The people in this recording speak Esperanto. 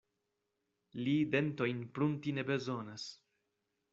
Li dentojn prunti ne bezonas.